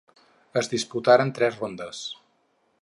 Es disputaren tres rondes.